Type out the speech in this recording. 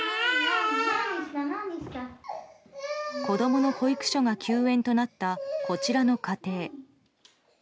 子供の保育所が休園となった、こちらの家庭。